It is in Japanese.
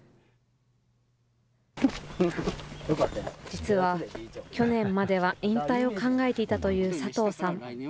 実は、去年までは引退を考えていたという佐藤さん。